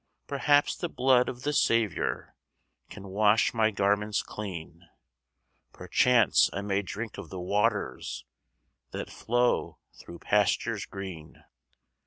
Perhaps the blood of the Saviour Can wash my garments clean; Perchance I may drink of the waters That flow through pastures green.